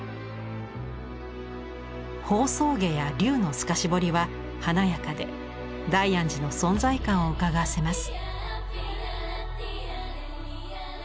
宝相華や竜の透かし彫りは華やかで大安寺の存在感をうかがわせます。